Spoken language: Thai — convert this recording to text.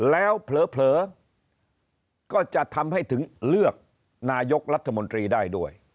แล้วเผลอก็จะทำให้ถึงเลือกนายกรัฐมนตรีได้ด้วย